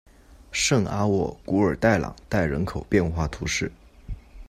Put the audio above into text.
圣阿沃古尔代朗代人口变化图示